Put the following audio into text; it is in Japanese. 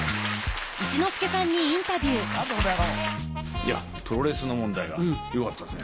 いやプロレスの問題がよかったですね。